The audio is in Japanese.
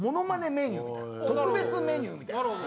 メニュー特別メニューみたいな。